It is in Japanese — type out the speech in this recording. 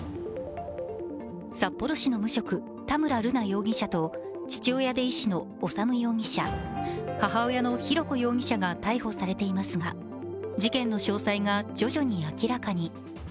札幌市の無職・田村瑠奈容疑者と父親で医師の修容疑者、母親の浩子容疑者が逮捕されていますが、事件の詳細が徐々に明らかに。